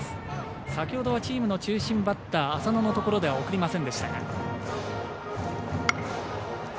先ほどはチームの中心バッター浅野のところでは送りませんでしたが。